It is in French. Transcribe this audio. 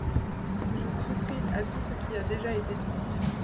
Je souscris à tout ce qui a déjà été dit.